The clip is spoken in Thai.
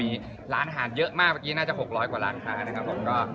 มีร้านอาหารเยอะมากเมื่อกี้น่าจะ๖๐๐กว่าร้านค้านะครับผม